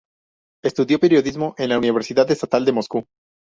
Estudió periodismo en la Universidad Estatal de Moscú.